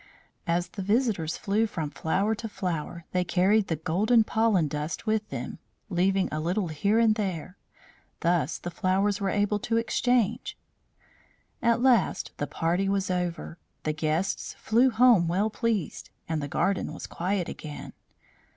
As the visitors flew from flower to flower they carried the golden pollen dust with them, leaving a little here and there; thus the flowers were able to exchange. At last the party was over. The guests flew home well pleased, and the garden was quiet again.